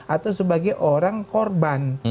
atau sebagai orang korban